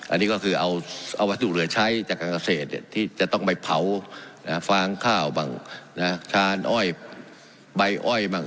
อันนี้ก็คือเอาวัตถุเหลือใช้จากการเกษตรที่จะต้องไปเผาฟางข้าวบ้างชานอ้อยใบอ้อยบ้าง